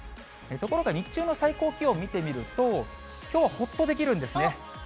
ところが日中の最高気温見てみると、きょうはほっとできるんですね。